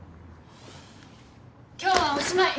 今日はおしまい！